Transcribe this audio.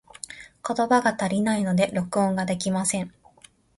言葉が足りないので、録音ができません。